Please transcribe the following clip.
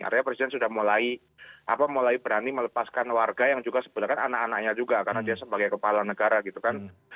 artinya presiden sudah mulai berani melepaskan warga yang juga sebenarnya anak anaknya juga karena dia sebagai kepala negara gitu kan